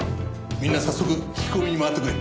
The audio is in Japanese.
みんな早速聞き込みに回ってくれ。